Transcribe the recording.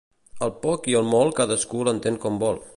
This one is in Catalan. El poc i el molt cadascú l'entén com vol.